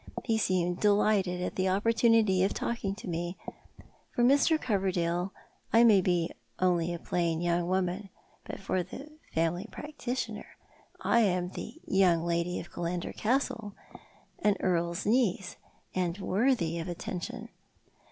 He seemed delighted at the opportunity of talking to me. For Mr. Cover dale I may be only a plain young woman ; but for the family practitioner I am the young lady of Killaudor Castle, an earl's niece, and worthy of attention.